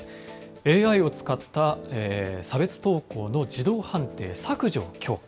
ＡＩを使った差別投稿の自動判定・削除を強化。